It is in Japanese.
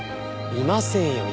いませんよ